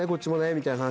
みたいな話。